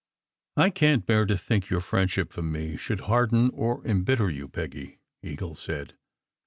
"I can t bear to think your friendship for me should harden or embitter you, Peggy," Eagle said.